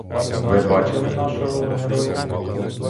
Ви бачили нашого героя?